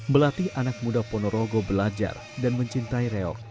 melatih anak muda ponorogo belajar dan mencintai reok